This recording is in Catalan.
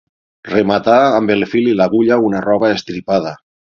Rematà amb el fil i l'agulla una roba estripada.